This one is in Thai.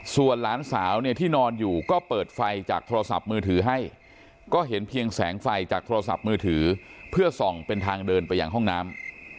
ส่วนหลานสาวเนี่ยที่นอนอยู่ก็เปิดไฟจากโทรศัพท์มือถือให้ก็เห็นเพียงแสงไฟจากโทรศัพท์มือถือเพื่อส่องเป็นทางเดินไปยังห้องน้ำ